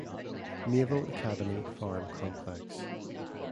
Naval Academy farm complex.